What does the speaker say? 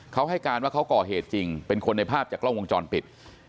เขาให้การว่าเขาก่อเหตุจริงเป็นคนในภาพจากกล้องวงจรปิด